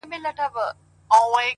o جانه ته ځې يوه پردي وطن ته،